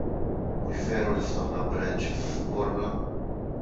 Mhux veru li ftaħna branch f'Bormla?